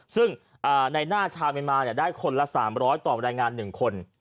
ซึ่งในหน้าชาวเมียนมาได้คนละ๓๐๐ต่อแรงงาน๑คน